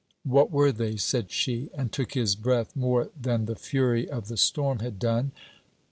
'What were they?' said she, and took his breath more than the fury of the storm had done.